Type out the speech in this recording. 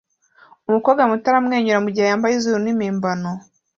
Umukobwa muto aramwenyura mugihe yambaye izuru nimpimbano